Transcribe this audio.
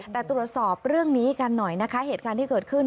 แต่ตรวจสอบเรื่องนี้กันหน่อยนะคะเหตุการณ์ที่เกิดขึ้น